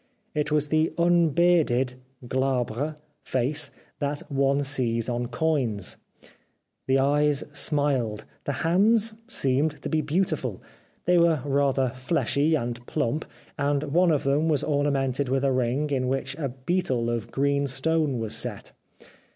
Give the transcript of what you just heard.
It was the unbearded (glabre) face that one sees on coins. The eyes smiled. The hands seemed to be beautiful : they were rather fleshy and plump, and one of them was ornamented with a ring in which a beetle of green stone was set.